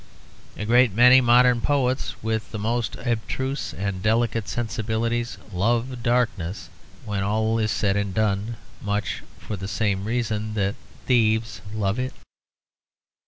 A great many modern poets, with the most abstruse and delicate sensibilities, love darkness, when all is said and done, much for the same reason that thieves love it.